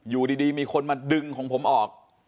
อยู่ดีมีคนมาดึงของผมออก